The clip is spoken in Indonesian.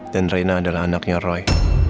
dan reina adalah anaknya roy